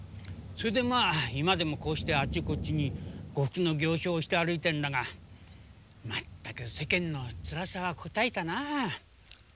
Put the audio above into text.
それでまあ今でもこうしてあっちこっちに呉服の行商をして歩いてるんだが全く世間のつらさはこたえたなあ。